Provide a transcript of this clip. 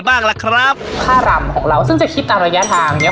บ้างล่ะครับท่ารำของเราซึ่งจะคิดตามระยะทางเนี้ย